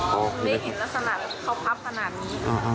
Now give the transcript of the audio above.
ได้เห็นลักษณะเขาพับขนาดนี้